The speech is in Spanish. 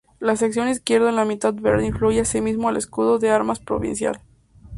La sección izquierda en la mitad verde incluye asimismo al Escudo de armas provincial.